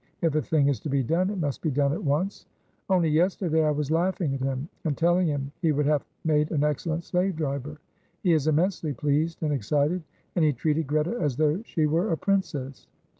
If a thing is to be done it must be done at once. Only yesterday I was laughing at him, and telling him he would have made an excellent slave driver. He is immensely pleased and excited, and he treated Greta as though she were a princess.